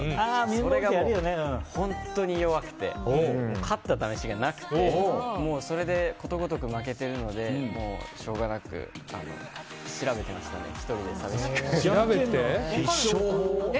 それが本当に弱くて勝った試しがなくてもうそれで、ことごとく負けてるので仕方なく調べていました、１人で寂しく。